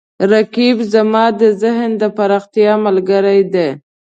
رقیب زما د ذهن د پراختیا ملګری دی